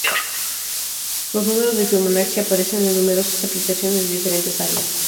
Los números de Fibonacci aparecen en numerosas aplicaciones de diferentes áreas.